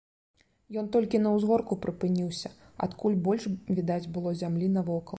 Ён толькі на ўзгорку прыпыніўся, адкуль больш відаць было зямлі навокал.